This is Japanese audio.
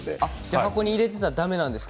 箱に入れていたらだめなんですね。